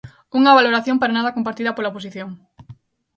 Unha valoración para nada compartida pola oposición.